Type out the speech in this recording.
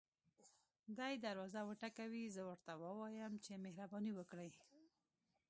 دی دروازه وټکوي زه ورته ووایم چې مهرباني وکړئ.